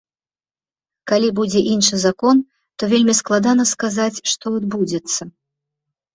Калі будзе іншы закон, то вельмі складана сказаць, што адбудзецца.